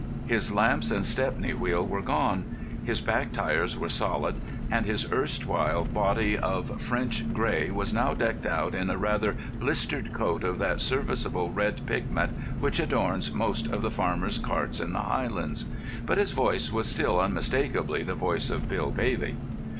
His lamps and Stepney wheel were gone, his back tyres were solid, and his erstwhile body of French grey was now decked out in a rather blistered coat of that serviceable red pigment which adorns most of the farmers' carts in the Highlands. But his voice was still unmistakably the voice of Bill Bailey.